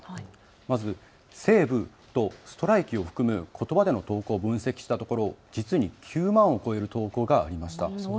まず西武とストライキを含むことばでの投稿を分析したところ実に９万を超える投稿がありました。